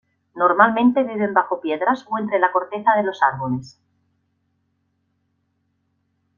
Normalmente viven bajo piedras o entre la corteza de los árboles.